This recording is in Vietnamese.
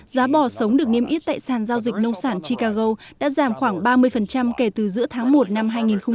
giá bò sống được niêm yết tại sàn giao dịch nông sản chicago đã giảm khoảng ba mươi kể từ giữa tháng một năm hai nghìn một mươi chín